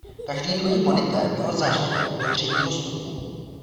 Každý druhý monitér by ho zařadil do třetího stupně.